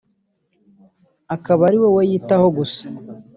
akaba ari wowe yitaho gusa